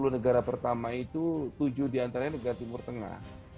sepuluh negara pertama itu tujuh diantaranya negara timur tengah